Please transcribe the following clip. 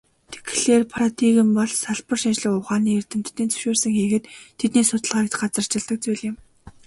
Тэгэхлээр, парадигм бол салбар шинжлэх ухааны эрдэмтдийн зөвшөөрсөн хийгээд тэдний судалгааг газарчилдаг зүйл юм.